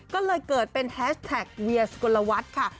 ก็เลยเกิดเป็นแฮชแท็กเวียสุกลวัฒน์ค่ะ